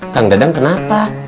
kang dadah kenapa